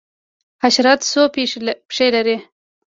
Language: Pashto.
حشرات څو پښې لري؟